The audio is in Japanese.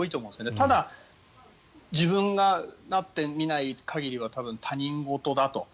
ただ、自分がなってみない限りは他人事だと。